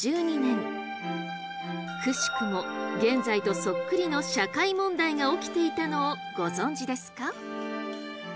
くしくも現在とそっくりの社会問題が起きていたのをご存じですか？